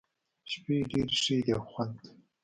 شپې ډېرې ښې دي او خوند کوي.